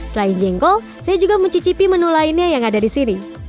selain jengkol saya juga mencicipi menu lainnya yang ada di sini